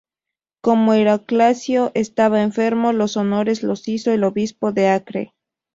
Como Heraclio estaba enfermo, los honores los hizo el Obispo de Acre.